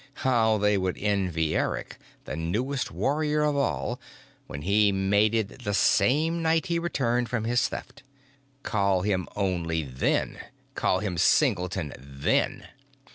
How they would envy Eric, the newest warrior of all, when he mated the same night he returned from his theft! Call him Only, then! Call him singleton, then!